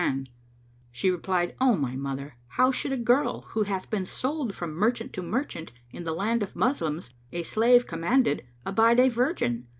[FN#513] She replied, "O my mother, how should a girl, who hath been sold from merchant to merchant in the land of Moslems, a slave commanded, abide a virgin?